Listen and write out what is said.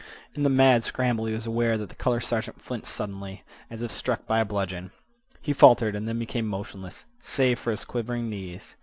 In the mad scramble he was aware that the color sergeant flinched suddenly, as if struck by a bludgeon. He faltered, and then became motionless, save for his quivering knees.